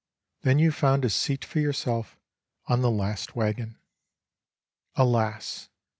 Then you found a seat for yourself on the last wagon. "Alas!